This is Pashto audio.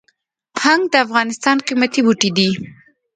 هنګ د افغانستان قیمتي بوټی دی